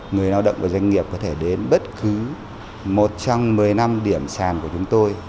người lao động và doanh nghiệp có thể đến bất cứ một trong một mươi năm điểm sàn của chúng tôi